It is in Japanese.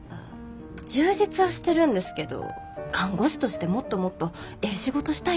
充実はしてるんですけど看護師としてもっともっとええ仕事したいんです。